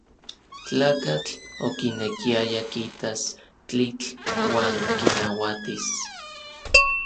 Tlakatl okinekiaya kitas tlitl uan kinauatis.